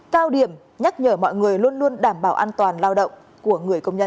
cao điểm nhắc nhở mọi người luôn luôn đảm bảo an toàn lao động của người công nhân